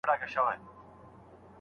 د ميرمنې شرعي پت ساتل د چا دنده ده؟